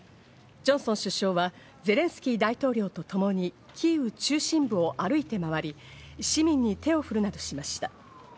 ジョンソン首相はゼレンスキー大統領とともにキーウ中心部を歩いて回り、市民に手を振るなどしました。